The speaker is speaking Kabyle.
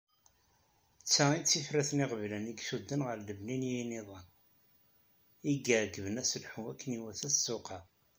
D ta i tifrat n iɣeblan i icudden ɣer lebni n yinidan, i iεeyyben aselḥu akken iwata ssuq-a.